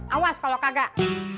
awas kalau kagak